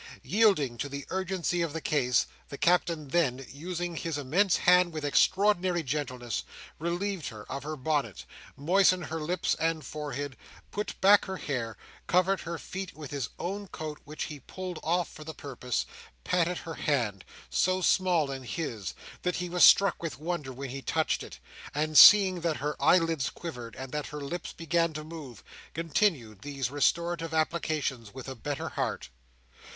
Yielding to the urgency of the case, the Captain then, using his immense hand with extraordinary gentleness, relieved her of her bonnet, moistened her lips and forehead, put back her hair, covered her feet with his own coat which he pulled off for the purpose, patted her hand—so small in his, that he was struck with wonder when he touched it—and seeing that her eyelids quivered, and that her lips began to move, continued these restorative applications with a better heart.